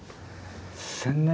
１，０００年。